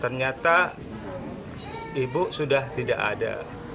ternyata ibu sudah tidak ada